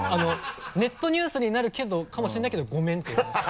「ネットニュースになるかもしれないけどごめん」って言われました。